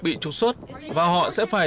bị trục xuất và họ sẽ phải